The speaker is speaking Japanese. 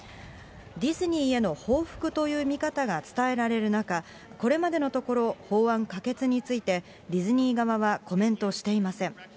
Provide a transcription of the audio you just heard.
ディズニーへの報復という見方が伝えられる中、これまでのところ、法案可決について、ディズニー側はコメントしていません。